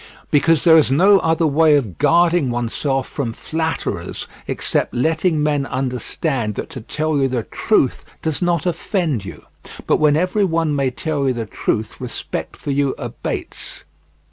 Because there is no other way of guarding oneself from flatterers except letting men understand that to tell you the truth does not offend you; but when every one may tell you the truth, respect for you abates.